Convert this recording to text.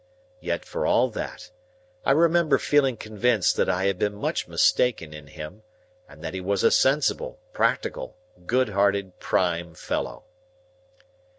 Yet for all that, I remember feeling convinced that I had been much mistaken in him, and that he was a sensible, practical, good hearted prime fellow.